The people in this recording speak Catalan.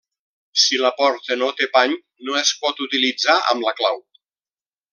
Si la porta no té pany, no es pot utilitzar amb la clau.